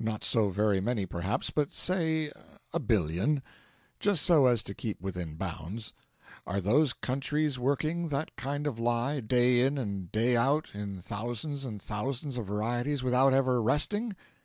Not so very many perhaps, but say a billion just so as to keep within bounds. Are those countries working that kind of lie, day in and day out, in thousands and thousands of varieties, without ever resting?